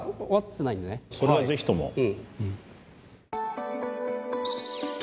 それはぜひとも。